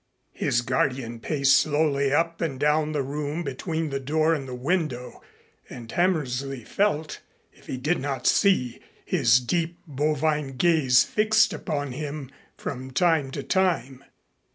His guardian paced slowly up and down the room between the door and window, and Hammersley felt, if he did not see, his deep bovine gaze fixed upon him from time to time.